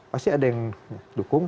pasti ada yang dukung